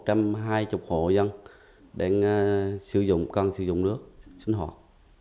tốt cho khoảng một trăm hai mươi hộ dân đang cần sử dụng nước sinh hoạt